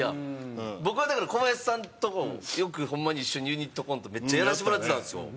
僕はだからコバヤシさんとよくホンマに一緒にユニットコントめっちゃやらせてもらってたんですよ。